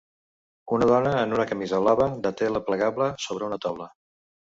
Una dona en una camisa blava de tela plegable sobre una taula